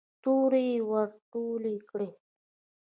تورې يې ور ټولې کړې.